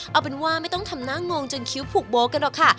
เอาเป็นว่าไม่ต้องทำหน้างงจนคิ้วผูกโบ๊กันหรอกค่ะ